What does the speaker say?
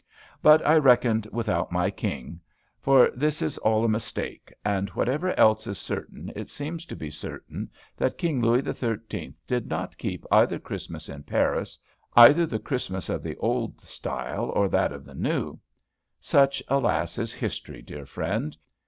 But I reckoned without my king. For this is all a mistake, and whatever else is certain, it seems to be certain that King Louis XIII. did not keep either Christmas in Paris, either the Christmas of the Old Style, or that of the New. Such, alas, is history, dear friend!